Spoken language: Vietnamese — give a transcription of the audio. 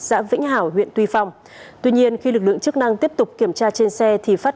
xã vĩnh hảo huyện tuy phong tuy nhiên khi lực lượng chức năng tiếp tục kiểm tra trên xe thì phát